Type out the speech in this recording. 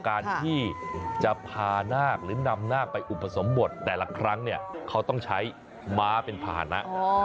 การที่จะพานาคหรือนำนาคไปอุปสมบทแต่ละครั้งเนี่ยเขาต้องใช้ม้าเป็นภาษณะ